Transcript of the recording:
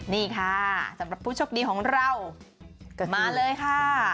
นี่ค่ะสำหรับผู้โชคดีของเรามาเลยค่ะ